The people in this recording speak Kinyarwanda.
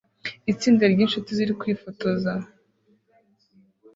Itsinda ryinshuti ziri kwifotoza